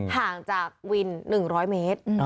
ห่างจากวิน๑๐๐เมตร